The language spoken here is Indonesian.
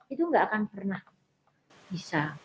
itu nggak akan pernah bisa